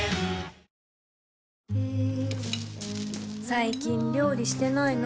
最近料理してないの？